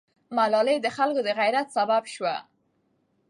ملالۍ د خلکو د غیرت سبب سوه.